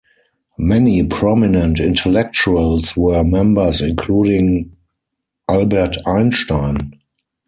Many prominent intellectuals were members, including Albert Einstein.